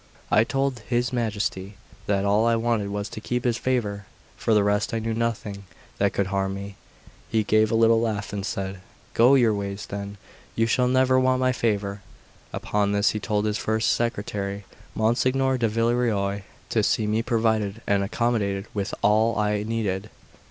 I told his Majesty that all I wanted was to keep his favour; for the rest, I knew of nothing that could harm me. He gave a little laugh, and said: "Go your ways, then; you shall never want my favour." Upon this he told his first secretary, Monsignor di Villerois, to see me provided and accommodated with all I needed.